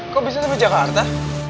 kok bisa di jakarta